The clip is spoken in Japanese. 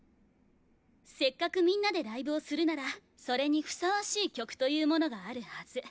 せっかくみんなでライブをするならそれにふさわしい曲というものがあるはず。